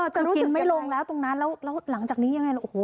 จะรู้สึกไม่ลงแล้วตรงนั้นแล้วหลังจากนี้แล้วยังไง